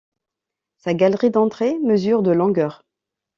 Sa galerie d'entrée mesure de longueur.